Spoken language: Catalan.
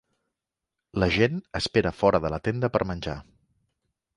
La gent espera fora de la tenda per menjar